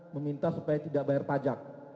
meminta supaya tidak bayar pajak